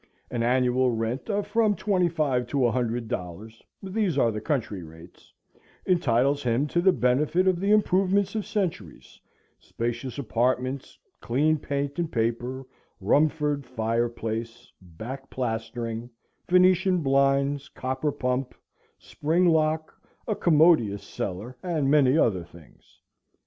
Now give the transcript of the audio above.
An annual rent of from twenty five to a hundred dollars, these are the country rates, entitles him to the benefit of the improvements of centuries, spacious apartments, clean paint and paper, Rumford fireplace, back plastering, Venetian blinds, copper pump, spring lock, a commodious cellar, and many other things.